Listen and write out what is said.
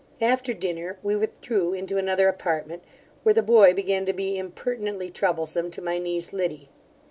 After dinner we withdrew into another apartment, where the boy began to be impertinently troublesome to my niece Liddy.